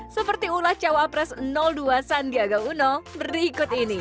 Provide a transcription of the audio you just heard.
seperti ulah cawa pres dua sandiaga uno berikut ini